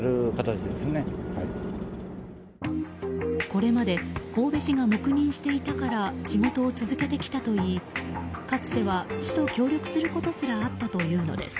これまで神戸市が黙認していたから仕事を続けてきたといいかつては市と協力することすらあったというのです。